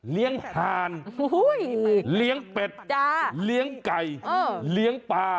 เลี้ยงหารเหลี้ยงเป็ดเหลี้ยงไก่เหลี้ยงปลา